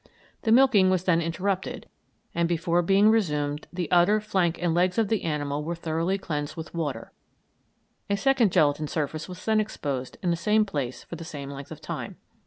The milking was then interrupted, and before being resumed the udder, flank, and legs of the animal were thoroughly cleansed with water; a second gelatine surface was then exposed in the same place and for the same length of time.